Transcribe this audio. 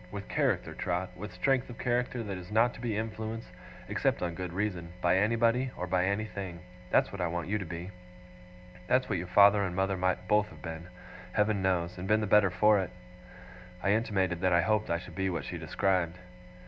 With character, Trot with strength of character that is not to be influenced, except on good reason, by anybody, or by anything. That's what I want you to be. That's what your father and mother might both have been, Heaven knows, and been the better for it.' I intimated that I hoped I should be what she described.